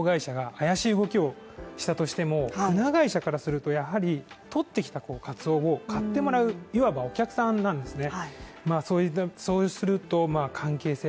まず漁協や水産加工会社が怪しい動きをしたとしても、会社からするとやはり取ってきたカツオを買ってもらう、いわばお客さんなんですね